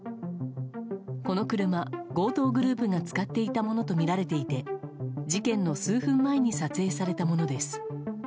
この車、強盗グループが使っていたものとみられていて事件の数分前に撮影されたものです。